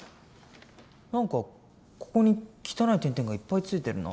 何かここに汚い点々がいっぱいついてるな。